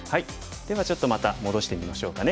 ではちょっとまた戻してみましょうかね。